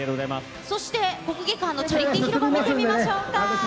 そして、国技館のチャリティー広場、見てみましょうか。